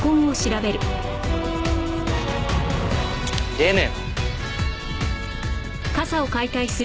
出ねえ。